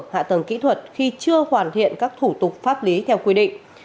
hạ tầng kỹ thuật khi chưa hoàn thiện các thủ tục pháp lý theo quy định